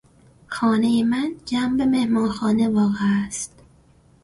خانهٔ من جنب مهمانخانه واقع است.